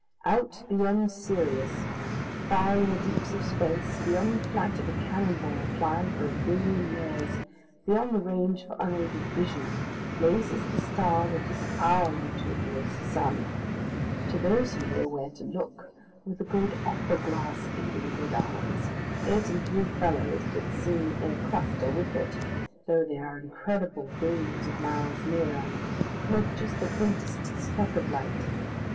Out beyond Sirius, far in the deeps of space, beyond the flight of a cannon ball flying for a billion years, beyond the range of unaided vision, blazes the star that is our Utopia's sun. To those who know where to look, with a good opera glass aiding good eyes, it and three fellows that seem in a cluster with it though they are incredible billions of miles nearer make just the faintest speck of light.